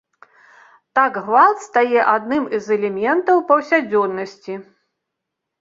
Так гвалт стае адным з элементаў паўсядзённасці.